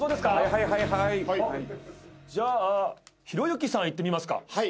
じゃあひろゆきさんいってみますか。